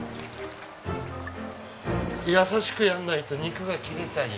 優しくやらないと肉が切れたり。